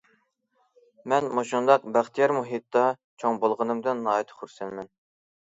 مەن مۇشۇنداق بەختىيار مۇھىتتا چوڭ بولغىنىمدىن ناھايىتى خۇرسەنمەن.